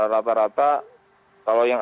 rata rata kalau yang